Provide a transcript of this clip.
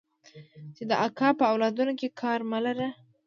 چې د اکا په اولادونو کار مه لره.